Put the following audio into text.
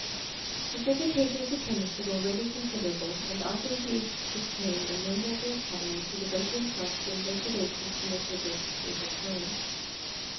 His reputation as a chemist was already . ooQsiderable, and after he became a member of the [, aetdemyy he devoted himself to the investigations connected with his favourite science.